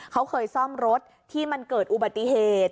เขาเคยซ่อมรถที่มันเกิดอุบัติเหตุ